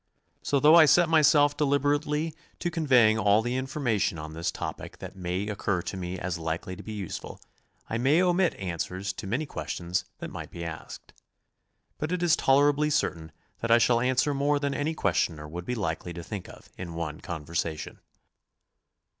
So, though I set myself deliberately to conveying all the information on this topic that may occur to me as likely to be useful, I may omit answers to 6 GOING ABROAD? many questions that mig^ht be asked. But it is tolerably cer tain that I shall answer more than any questioner would be likely to think of in one conversation.